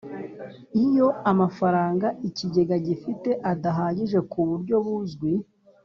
Iyo amafaranga Ikigega gifite adahagije ku buryo buzwi